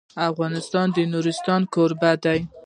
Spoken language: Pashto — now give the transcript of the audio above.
افغانستان د نورستان کوربه دی.